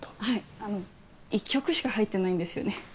はいあの１曲しか入ってないんですよね